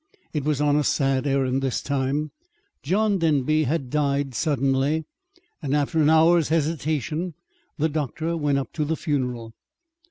It was on a sad errand this time. John Denby had died suddenly, and after an hour's hesitation, the doctor went up to the funeral.